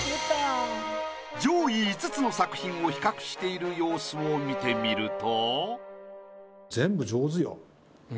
上位５つの作品を比較している様子を見てみると。